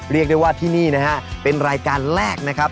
เรียกได้ว่าที่นี่นะฮะเป็นรายการแรกนะครับ